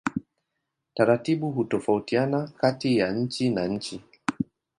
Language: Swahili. Taratibu hutofautiana kati ya nchi na nchi.